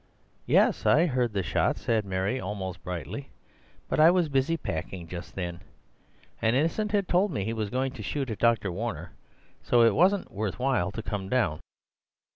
"Yes, I heard the shots," said Mary almost brightly; "but I was busy packing just then. And Innocent had told me he was going to shoot at Dr. Warner; so it wasn't worth while to come down."